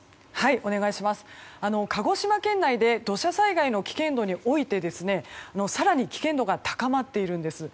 鹿児島県内で土砂災害の危険度において更に危険度が高まっているんです。